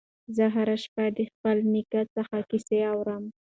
زه هره شپه د خپل نیکه څخه کیسې اورم.